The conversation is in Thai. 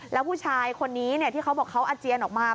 แล้วผู้ชายคนนี้ที่เขาบอกเขาอาเจียนออกมา